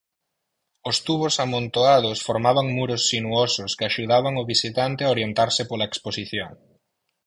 Os tubos amontoados formaban muros sinuosos que axudaban o visitante a orientarse pola exposición.